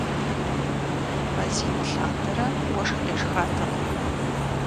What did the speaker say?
Мазитӏ лъандэрэ уэшх къешхатэкъым.